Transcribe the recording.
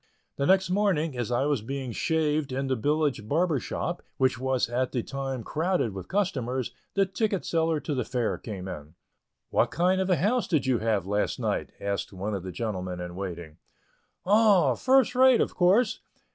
The next morning, as I was being shaved in the village barber's shop, which was at the time crowded with customers, the ticket seller to the Fair came in. "What kind of a house did you have last night?" asked one of the gentlemen in waiting. "Oh, first rate, of course.